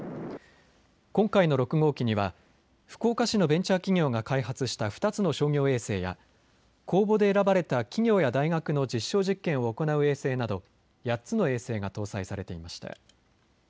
今回の６号機には福岡市のベンチャー企業が開発した２つの商業衛星や公募で選ばれた企業や大学の実証実験を行う衛星など８つの衛星が搭載されていました。